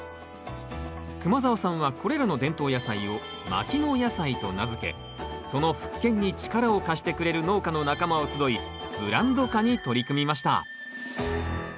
熊澤さんはこれらの伝統野菜を牧野野菜と名付けその復権に力を貸してくれる農家の仲間を集いブランド化に取り組みました。